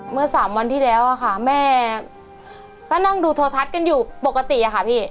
เมื่อสามวันที่แล้วค่ะแม่ก็นั่งดูโทรทัศน์กันอยู่ปกติอะค่ะพี่